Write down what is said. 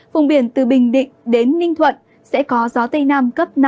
vùng biển từ bình định đến ninh thuận sẽ có gió tây nam cấp năm